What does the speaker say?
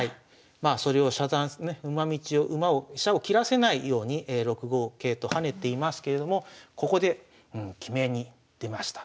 まあそれを遮断馬道を馬を飛車を切らせないように６五桂と跳ねていますけれどもここで決めに出ました。